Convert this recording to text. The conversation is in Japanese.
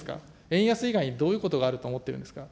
円安以外にどういうことがあると思っているんですか。